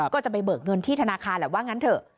ก็จะไปเบิกเงินที่ธนาคารแหละว่างั้นเถอะ